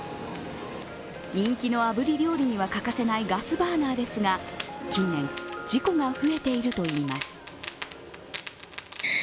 人気のあぶり料理には欠かせないガスバーナーですが近年、事故が増えているといいます